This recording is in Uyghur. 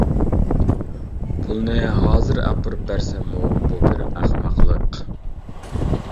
پۇلنى ھازىر ئاپىرىپ بەرسەممۇ بۇ بىر ئەخمەقلىق.